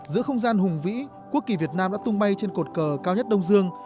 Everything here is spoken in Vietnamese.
giữa không gian hùng vĩ quốc kỳ việt nam đã tung bay trên cột cờ cao nhất đông dương